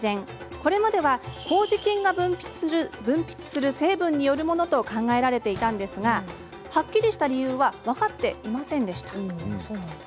これまでは、こうじ菌が分泌する成分によるものと考えられていたのですがはっきりした理由は分かっていませんでした。